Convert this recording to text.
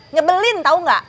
nyebelin tau gak